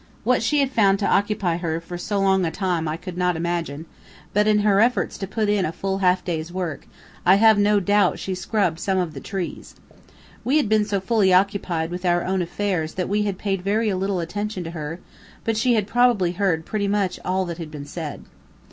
What she had found to occupy her for so long a time I could not imagine, but in her efforts to put in a full half day's work, I have no doubt she scrubbed some of the trees. We had been so fully occupied with our own affairs that we had paid very little attention to her, but she had probably heard pretty much all that had been said.